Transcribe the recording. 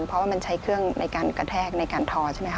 เพราะว่ามันใช้เครื่องในการกระแทกในการทอใช่ไหมค